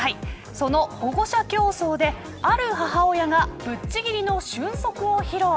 その保護者競争である母親が、ぶっちぎりの俊足を披露。